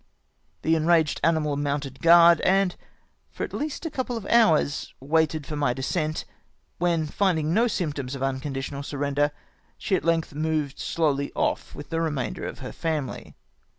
The enraged animal mounted guard, and for at least a couple of hours waited for my descent ; when, finding no symptoms of unconditional surrender, she at length moved slowly off with the re mainder of her family.